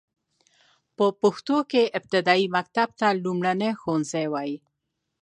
په پښتو کې ابتدايي مکتب ته لومړنی ښوونځی وايي.